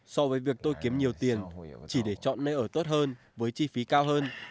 so với việc tôi kiếm nhiều tiền chỉ để chọn nơi ở tốt hơn với chi phí cao hơn